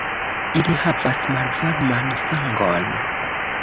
Ili havas malvarman sangon.